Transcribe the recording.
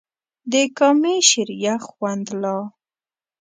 د کامې شریخ خوند لا